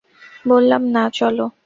বললাম না, চলো!